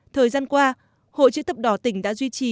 thời gian qua hội chữ thập đỏ tỉnh đã duy trì